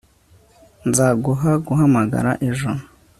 Nzaguha guhamagara ejo